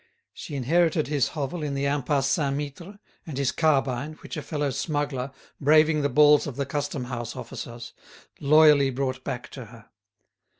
She inherited his hovel in the Impasse Saint Mittre, and his carbine, which a fellow smuggler, braving the balls of the custom house officers, loyally brought back to her.